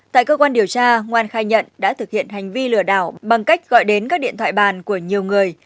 tại cơ quan điều tra ngoan khai nhận đã thực hiện hành vi lừa đảo bằng cách gọi đến các điện thoại bàn của nhiều người